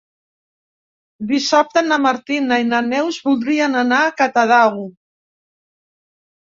Dissabte na Martina i na Neus voldrien anar a Catadau.